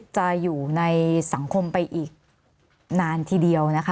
จะอยู่ในสังคมไปอีกนานทีเดียวนะคะ